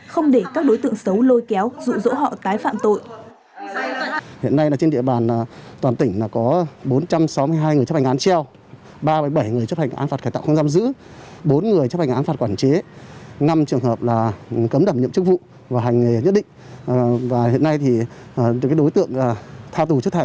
không để các đối tượng xấu lôi kéo dụ dỗ họ tái phạm tội